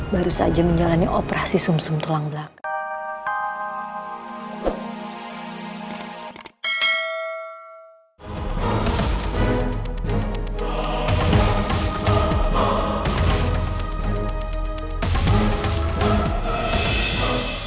baru saja menjalani operasi sum sum tulang belakang